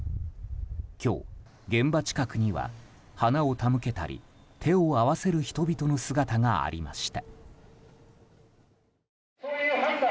今日、現場近くには花を手向けたり手を合わせる人々の姿がありました。